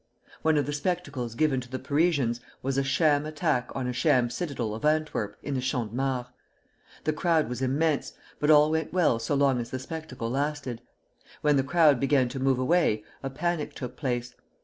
One of the spectacles given to the Parisians was a sham attack on a sham citadel of Antwerp in the Champ de Mars. The crowd was immense, but all went well so long as the spectacle lasted. When the crowd began to move away, a panic took place.